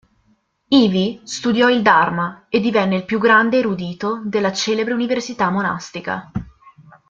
Ivi studiò il Dharma, e divenne il più grande erudito della celebre università monastica.